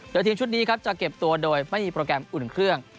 โดยทีมชุดนี้ครับจะเก็บตัวโดยไม่มีโปรแกรมอุ่นเครื่อง